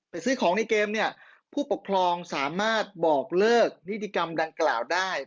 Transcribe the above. ซื้อของในเกมเนี่ยผู้ปกครองสามารถบอกเลิกนิติกรรมดังกล่าวได้